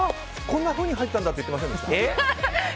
こんなふうに入ったんだって言ってませんでした？